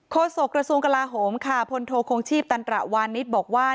โศกระทรวงกลาโหมค่ะพลโทคงชีพตันตระวานิสบอกว่า